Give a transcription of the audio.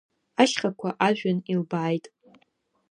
Ашьхақәа ажәҩан илбааит.